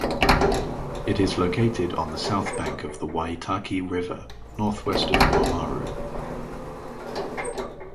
It is located on the south bank of the Waitaki River, northwest of Oamaru.